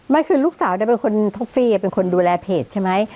ไม่คือลูกสาวเป็นคนท็อฟฟี่เป็นคนดูแลเพจใช่ไหม